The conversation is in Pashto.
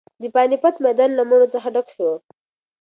د پاني پت میدان له مړو څخه ډک شو.